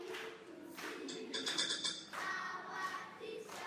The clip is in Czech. Ve funkci řešil složitou otázku požadavku Rusínů na vlastní univerzitu ve Lvově.